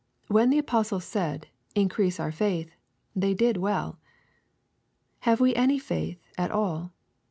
When the apostles said, "increase our faith/' they did well. Have we any faith at all